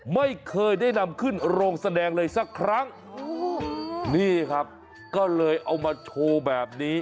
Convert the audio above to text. ไม่เคยได้นำขึ้นโรงแสดงเลยสักครั้งนี่ครับก็เลยเอามาโชว์แบบนี้